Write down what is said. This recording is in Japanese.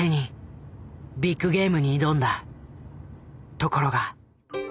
ところが。